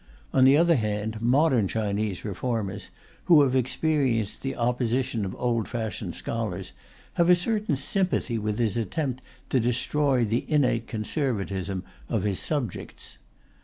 On the other hand, modern Chinese reformers, who have experienced the opposition of old fashioned scholars, have a certain sympathy with his attempt to destroy the innate conservatism of his subjects.